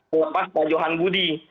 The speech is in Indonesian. lepas pak johan budi